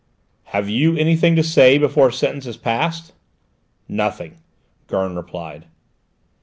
"Have you anything to say before sentence is passed?" "Nothing," Gurn replied.